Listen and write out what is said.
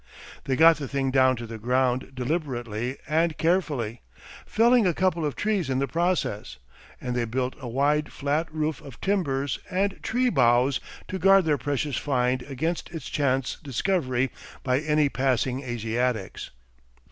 They got the thing down to the ground deliberately and carefully, felling a couple of trees in the process, and they built a wide flat roof of timbers and tree boughs to guard their precious find against its chance discovery by any passing Asiatics.